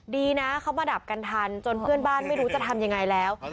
ดีนะเขามาดับกันทันจนเพื่อนบ้านไม่รู้จะทำยังไงแล้ว